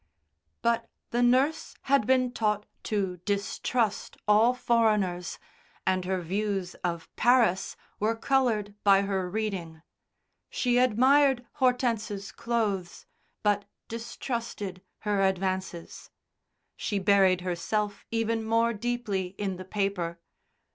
But the nurse had been taught to distrust all foreigners, and her views of Paris were coloured by her reading. She admired Hortense's clothes, but distrusted her advances. She buried herself even more deeply in the paper.